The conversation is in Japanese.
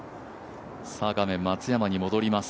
画面、松山に戻ります。